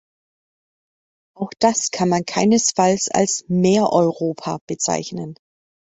Auch das kann man keinesfalls als "Mehr Europa" bezeichnen.